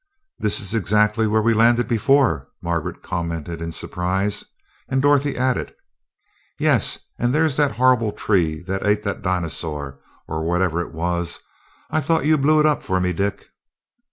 "This is exactly where we landed before," Margaret commented in surprise, and Dorothy added: "Yes, and there's that horrible tree that ate the dinosaur or whatever it was. I thought you blew it up for me, Dick?"